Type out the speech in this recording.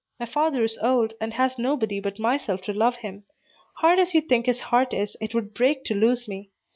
My father is old, and has nobody but myself to love him. Hard as you think his heart is, it would break to lose me.